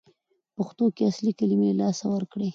که پښتو اصلي کلمې له لاسه ورکړي